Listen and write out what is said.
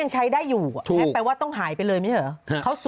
ตั้งใจทำรึเปล่า